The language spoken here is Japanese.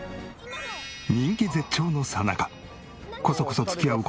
人気絶頂のさなかこそこそ付き合う事